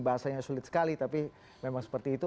bahasanya sulit sekali tapi memang seperti itu